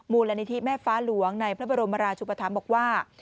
มูลนิธิแม่ฟ้าหลวงในพระบรมราชุปธรรมบอกว่า